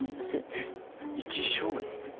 えっ生き証人？